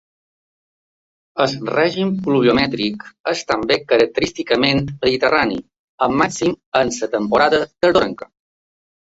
El règim pluviomètric és també característicament mediterrani, amb màxim en la temporada tardorenca.